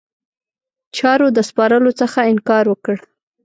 چارو د سپارلو څخه انکار وکړ.